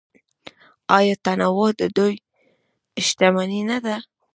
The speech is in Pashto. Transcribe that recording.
آیا تنوع د دوی شتمني نه ده؟